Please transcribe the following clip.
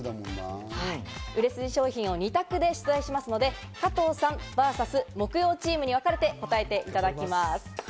売れ筋商品を２択で出題しますので、加藤さんｖｓ木曜チームに分かれて答えていただきます。